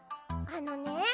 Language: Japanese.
あのね